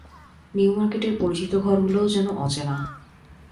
New মার্কেটের পরিচিত ঘরগুলোও যেন অচেনা।